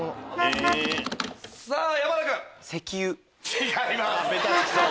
違います。